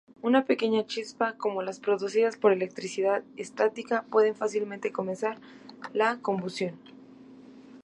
Una pequeña chispa, como las producidas por electricidad estática, pueden fácilmente comenzar la combustión.